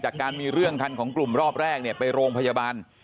การมีเรื่องคันของกลุ่มรอบแรกเนี่ยไปโรงพยาบาล